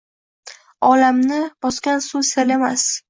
Olamni bosgan suv “Sel” emas